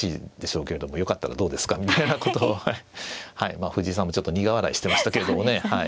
まあ藤井さんもちょっと苦笑いしてましたけれどもねはい。